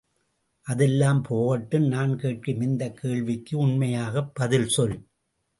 அதெல்லாம் போகட்டும், நான் கேட்கும் இந்தக் கேள்விக்கு உண்மையாகப் பதில் சொல்.